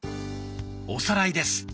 おさらいです。